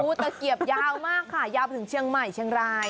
หมูตะเกียบยาวมากค่ะยาวเมื่อถึงเชียงใหม่เชียงไร